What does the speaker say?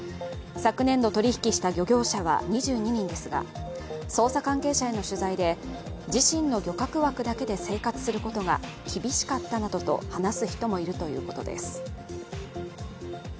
昨年度取り引きした漁業者は２２人ですが、捜査関係者の話で自身の漁獲枠だけで生活することが厳しかったなどと話す人もいるということです。